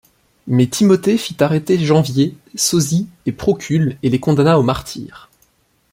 Mais Timothée fit arrêter Janvier, Sosie et Procule et les condamna au martyre.